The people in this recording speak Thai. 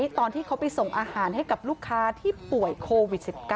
ตอนที่เขาไปส่งอาหารให้กับลูกค้าที่ป่วยโควิด๑๙